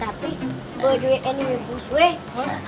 tapi bodohnya ini bos weh